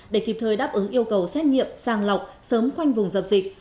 để kịp thời đáp ứng yêu cầu xét nghiệm sàng lọc sớm khoanh vùng dập dịch